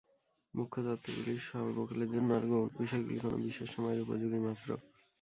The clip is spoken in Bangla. মুখ্য তত্ত্বগুলি সর্বকালের জন্য, আর গৌণ বিষয়গুলি কোন বিশেষ সময়ের উপযোগী মাত্র।